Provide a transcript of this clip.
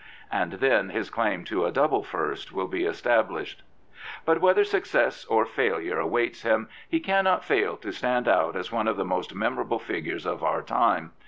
And then his claim to a " double first " will be established. But whether success or failure awaits him, he can not fail to stand out as one of the most memorable figures of our time.